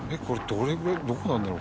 どこなんだろう？